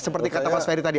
seperti kata pak soni tadi